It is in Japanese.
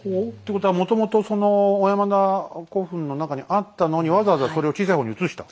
ことはもともとその小山田古墳の中にあったのにわざわざそれを小さい方に移した？